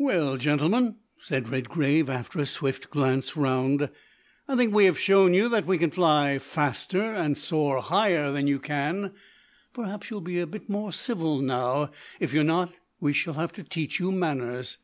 "Well, gentlemen," said Redgrave, after a swift glance round, "I think we have shown you that we can fly faster and soar higher than you can. Perhaps you'll be a bit more civil now. If you're not we shall have to teach you manners."